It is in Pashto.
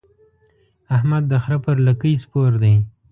احمد د خره پر لکۍ سپور دی.